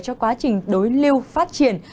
cho quá trình đối lưu phát triển